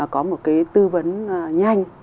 có một cái tư vấn nhanh